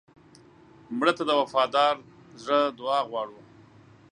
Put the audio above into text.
مړه ته د وفادار زړه دعا غواړو